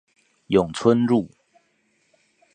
永春路